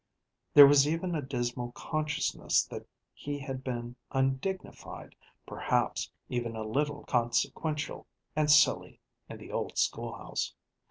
There was even a dismal consciousness that he had been undignified, perhaps even a little consequential and silly, in the old school house.